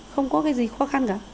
không có cái gì khó khăn cả